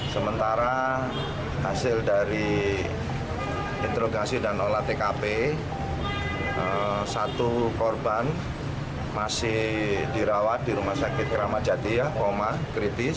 sementara hasil dari interogasi dan olah tkp satu korban masih dirawat di rumah sakit keramat jati ya koma kritis